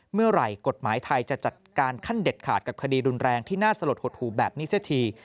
เมื่อไหร่กฎหมายไทยจะจัดการขั้นเด็ดขาดกับคดีรุนแรงที่น่าสลดหดหูแบบนี้เสียที